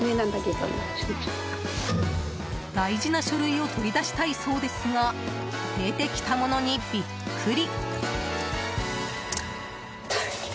大事な書類を取り出したいそうですが出てきたものにビックリ！